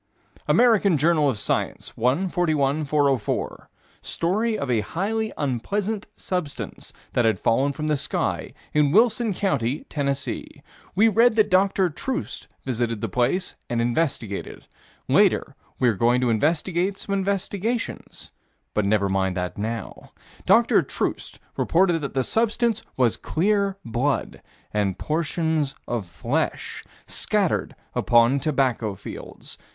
American Journal of Science, 1 41 404: Story of a highly unpleasant substance that had fallen from the sky, in Wilson County, Tennessee. We read that Dr. Troost visited the place and investigated. Later we're going to investigate some investigations but never mind that now. Dr. Troost reported that the substance was clear blood and portions of flesh scattered upon tobacco fields.